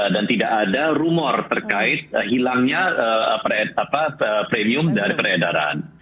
tidak ada rumor terkait hilangnya premium dari peredaran